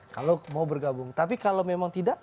kalau mau bergabung tapi kalau memang tidak